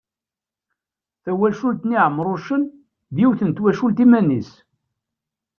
Tawacult n Iɛemrucen, d yiwet n twacult iman-is.